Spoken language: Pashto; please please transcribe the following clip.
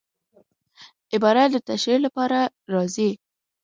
عبارت د تشریح له پاره راځي.